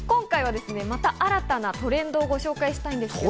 今回また新たなトレンドをご紹介したいと思います。